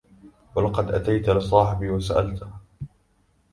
ولقد أتيت لصاحبي وسألته